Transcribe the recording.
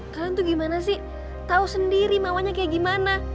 kalian tuh gimana sih tau sendiri mawanya kaya gimana